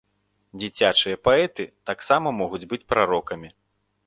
Дзіцячыя паэты таксама могуць быць прарокамі.